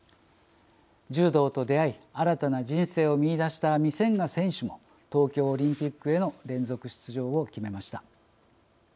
柔道と出会い新たな人生を見いだしたミセンガ選手も東京オリンピックへの連続出場を決めました。